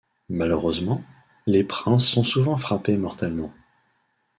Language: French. Malheureusement, les princes sont souvent frappés mortellement.